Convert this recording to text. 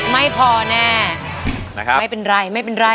ไม่พอแน่ไม่เป็นไรไม่เป็นไร